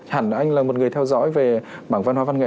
hẳn anh là một người theo dõi về mảng văn hóa văn nghệ